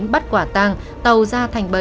bắt quả tang tàu gia thành bảy